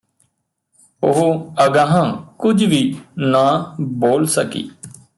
ਉਹ ਅਗਾਂਹ ਕੁੱਝ ਵੀ ਨਾ ਬੋਲ ਸਕੀ